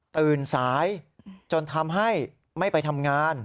ตื่นสายจนทำให้ไม่ไปทำงาน